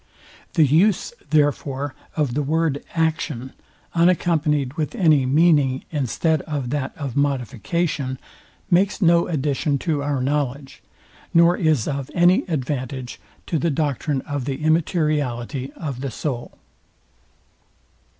The use, therefore, of the word, action, unaccompanyed with any meaning, instead of that of modification, makes no addition to our knowledge, nor is of any advantage to the doctrine of the immateriality of the soul.